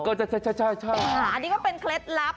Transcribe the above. อันนี้ก็เป็นเคล็ดลับ